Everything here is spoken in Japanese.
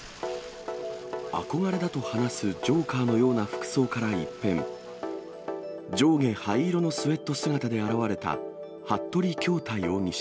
憧れだと話すジョーカーのような服装から一変、上下灰色のスエット姿で現れた、服部恭太容疑者。